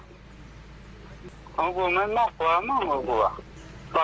ของผมมันมากกว่ามากกว่า